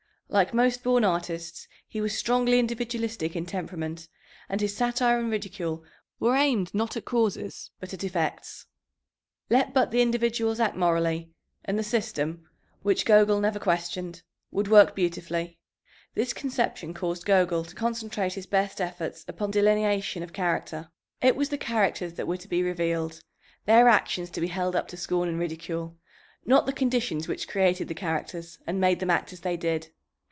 Like most born artists, he was strongly individualistic in temperament, and his satire and ridicule were aimed not at causes, but at effects. Let but the individuals act morally, and the system, which Gogol never questioned, would work beautifully. This conception caused Gogol to concentrate his best efforts upon delineation of character. It was the characters that were to be revealed, their actions to be held up to scorn and ridicule, not the conditions which created the characters and made them act as they did.